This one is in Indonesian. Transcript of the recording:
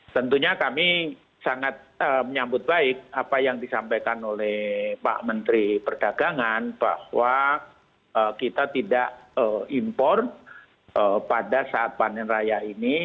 tentunya kami sangat menyambut baik apa yang disampaikan oleh pak menteri perdagangan bahwa kita tidak impor pada saat panen raya ini